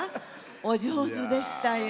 お上手でしたよ。